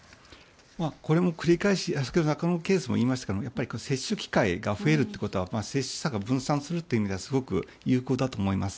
これも繰り返し中野区のケースでも言いましたが接種機会が増えるということは接種策が分散するということですごく有効だと思います。